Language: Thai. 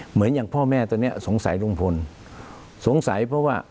เหมือนอย่างพ่อแม่ตัวเนี้ยสงสัยลุงพลสงสัยเพราะว่า